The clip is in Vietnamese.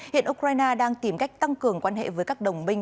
hiện ukraine đang tìm cách tăng cường quan hệ với các đồng minh